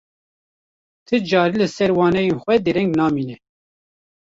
Ti carî li ser waneyên xwe dereng namîne.